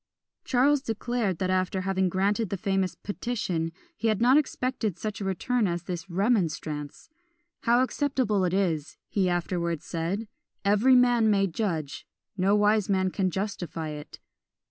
Charles declared, that after having granted the famous "Petition," he had not expected such a return as this "Remonstrance." "How acceptable it is," he afterwards said, "every man may judge; no wise man can justify it."